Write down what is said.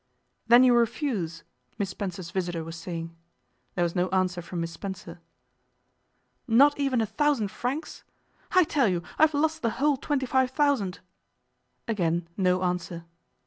'Then you refuse?' Miss Spencer's visitor was saying. There was no answer from Miss Spencer. 'Not even a thousand francs? I tell you I've lost the whole twenty five thousand.' Again no answer.